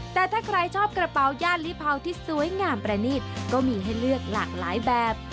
แต่ถ้าใครชอบกระเป๋าย่านลิเผาที่สวยงามประนีตก็มีให้เลือกหลากหลายแบบ